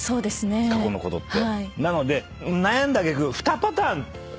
過去のことって。